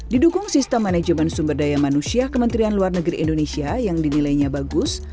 didukung sistem manajemen sumber daya manusia kementerian luar negeri indonesia yang dinilainya bagus